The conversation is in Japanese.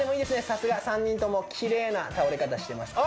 さすが３人ともきれいな倒れ方してますＯＫ